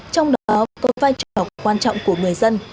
trong đó có vai trò quan trọng của người dân